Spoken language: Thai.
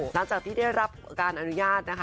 หลังจากที่ได้รับการอนุญาตนะคะ